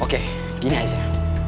oke gini aisyah